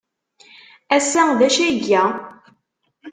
Ass-a, d acu ay iga?